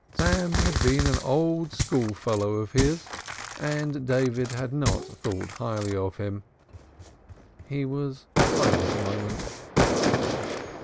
Sam had been an old school fellow of his, and David had not thought highly of him. He was silent a moment.